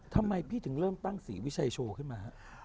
ทำไมพี่ถึงเริ่มตั้งศรีวิชัยโชว์ขึ้นมาฮะ